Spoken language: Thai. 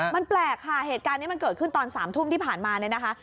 มันแปลกค่ะเหตุการณ์นี้มันเกิดขึ้นตอน๓ทุ่มที่ผ่านมาเนี่ยนะคะ